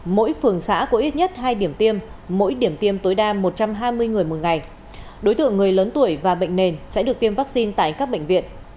mỗi phường xã có ít nhất hai điểm tiêm mỗi điểm tiêm tối đa một trăm hai mươi người một ngày đối tượng người lớn tuổi và bệnh nền sẽ được tiêm vaccine tại các bệnh viện